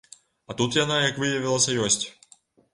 А тут яна, як выявілася, ёсць.